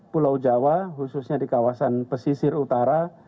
pulau jawa khususnya di kawasan pesisir utara